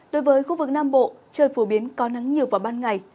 đối với khu vực nam bộ trời phổ biến có nắng nhiều vào ban ngày